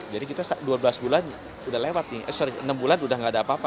jadi kita setelah dua belas bulan udah lewat nih enam bulan udah gak ada apa apa